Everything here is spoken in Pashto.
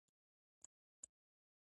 د موټر دروازې باید سالمې وي.